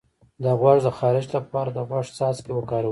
د غوږ د خارش لپاره د غوږ څاڅکي وکاروئ